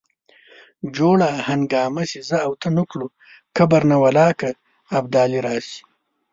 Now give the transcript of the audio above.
جوړه هنګامه چې زه او ته نه کړو قبر نه والله که ابدالي راشي.